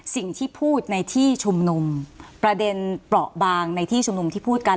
สิ่งที่พูดในที่ชุมนุมประเด็นเปราะบางในที่ชุมนุมที่พูดกัน